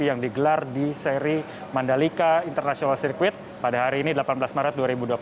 yang digelar di seri mandalika international circuit pada hari ini delapan belas maret dua ribu dua puluh tiga